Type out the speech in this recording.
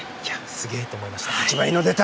すげえと思いました。